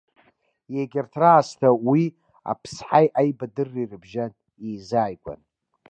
Егьырҭ рассҭа уии аԥсҳаи аибадырра рыбжьан, еизааигәан.